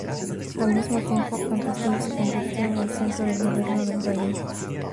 Al mismo tiempo, el castillo se convirtió en el centro del gobierno del reino.